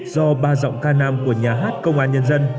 do ba giọng ca nam của nhà hát công an nhân dân